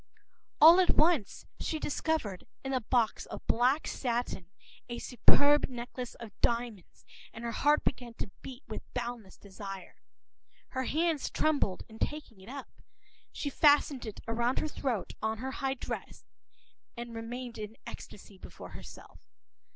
”All at once she discovered, in a box of black satin, a superb necklace of diamonds, and her heart began to beat with boundless desire. Her hands trembled in taking it up. She fastened it round her throat, on her high dress, and remained in ecstasy before herself.